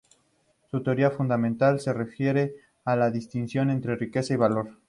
Su teoría fundamental se refiere a la distinción entre riqueza y valor.